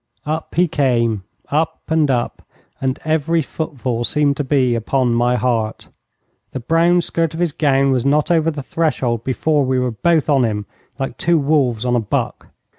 Up he came, up and up, and every footfall seemed to be upon my heart. The brown skirt of his gown was not over the threshold before we were both on him, like two wolves on a buck.